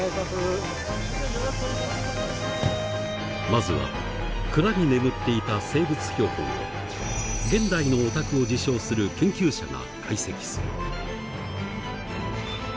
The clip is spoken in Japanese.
まずは蔵に眠っていた生物標本を現代のオタクを自称する研究者が解析する。